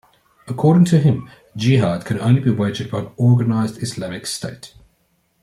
According to him Jihad can only be waged by an organised Islamic state.